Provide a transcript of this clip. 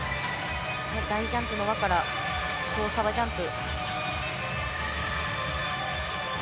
大ジャンプから、交差ジャンプ。